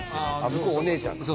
向こうお姉ちゃんだね。